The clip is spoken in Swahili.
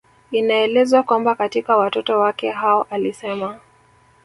Inaelezwa kwamba katika watoto wake hao alisema